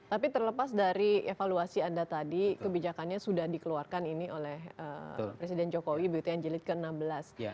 tapi terlepas dari evaluasi anda tadi kebijakannya sudah dikeluarkan ini oleh presiden jokowi begitu anjilid ke enam belas